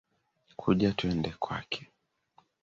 Kuja twende kwake.